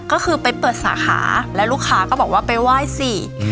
ก็คือไปเปิดสาขาแล้วลูกค้าก็บอกว่าไปไหว้สิ